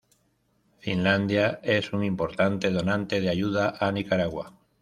Finlandia es un importante donante de ayuda a Nicaragua.